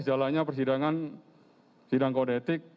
akan kita juga menayangkan